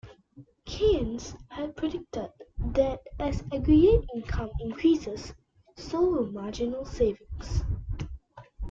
Keynes had predicted that as aggregate income increases, so will marginal savings.